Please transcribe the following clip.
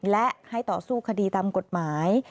และให้ต่อสู้คดีตามกฎหมาย